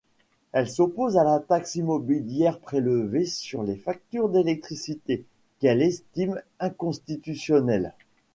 Elle s'oppose à la taxe immobilière prélevée sur les factures d'électricité, qu'elle estime inconstitutionnelle.